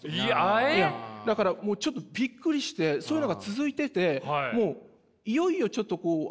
だからもうちょっとびっくりしてそういうのが続いててもういよいよちょっとなるほど。